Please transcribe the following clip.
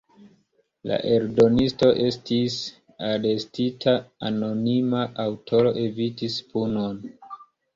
La eldonisto estis arestita, anonima aŭtoro evitis punon.